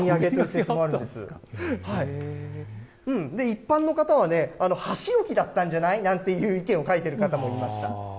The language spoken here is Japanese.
一般の方は、箸置きだったんじゃない？なんていう意見を書いている方もいました。